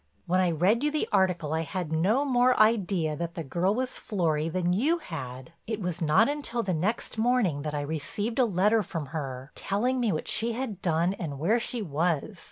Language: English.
When I read you the article I had no more idea that the girl was Florry than you had. It was not until the next morning that I received a letter from her, telling me what she had done and where she was.